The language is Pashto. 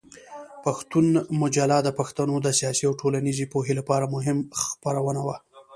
پښتون مجله د پښتنو د سیاسي او ټولنیزې پوهې لپاره مهمه خپرونه وه.